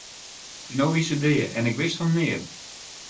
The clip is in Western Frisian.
En no wie se dea en ik wist fan neat!